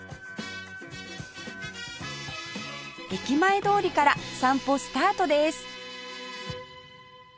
駅前通りから散歩スタートです